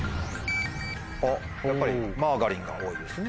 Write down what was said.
やっぱりマーガリンが多いですね。